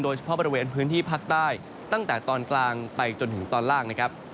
เฉพาะบริเวณพื้นที่ภาคใต้ตั้งแต่ตอนกลางไปจนถึงตอนล่างนะครับ